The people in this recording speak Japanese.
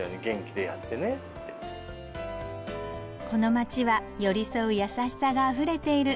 この街は寄り添う優しさがあふれている